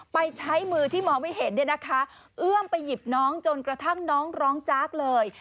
ไปใช้มือที่มองไม่เห็นเนี่ยนะคะเอื้อมไปหยิบน้องจนกระทั่งน้องร้องจากเลย